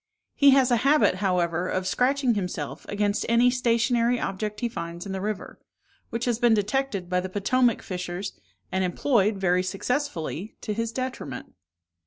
He has a habit, however, of scratching himself against any stationary object he finds in the river, which has been detected by the Potomac fishers, and employed, very successfully, to his detriment.